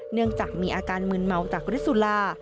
เนื่องจากมีอาการมืนเมาจากฤทธุรา